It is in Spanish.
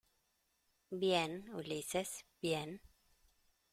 bien, Ulises , bien.